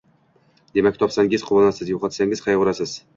Demak, topsangiz, quvonasiz, yo`qotsangiz qayg`urasiz